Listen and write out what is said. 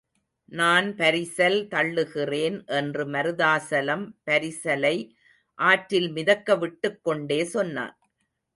நான் பரிசல் தள்ளுகிறேன் என்று மருதாசலம் பரிசலை ஆற்றில் மிதக்க விட்டுக்கொண்டே சொன்னான்.